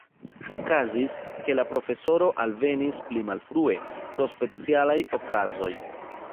Okazis, ke la profesoro alvenis pli malfrue, pro specialaj okazoj.